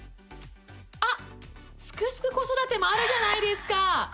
あ、「すくすく子育て」もあるじゃないですか。